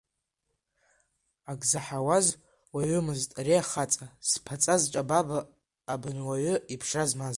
Акзаҳауаз уаҩымызт ари ахаҵа, зԥаҵа зҿабаба, абынуаҩы иԥшра змаз.